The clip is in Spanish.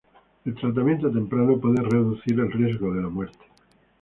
El tratamiento temprano puede reducir el riesgo de la muerte.